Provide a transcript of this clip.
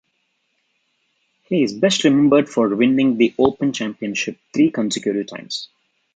He is best remembered for winning the Open Championship three consecutive times.